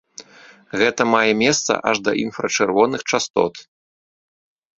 Гэта мае месца аж да інфрачырвоных частот.